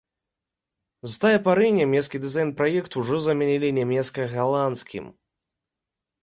З тае пары нямецкі дызайн-праект ужо замянілі нямецка-галандскім.